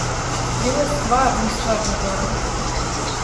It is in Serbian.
Било је стварно, стварно добро.